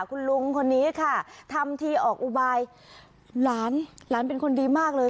คุณลุงคนนี้ค่ะทำทีออกอุบายหลานหลานเป็นคนดีมากเลย